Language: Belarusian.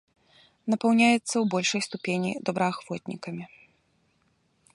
Напаўняецца ў большай ступені добраахвотнікамі.